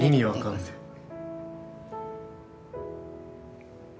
意味わかんねぇ。